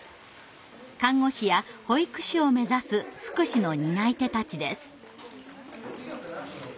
看護師や保育士を目指す福祉の担い手たちです。